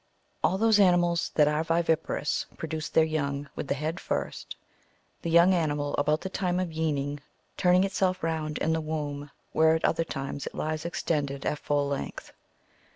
All those animals that are viviparous produce their young with the head first, the young animal about the time of yeaning turning itself round in the womb, where at other times it lies extended at full length.